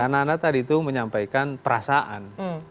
karena anda tadi itu menyampaikan perasaan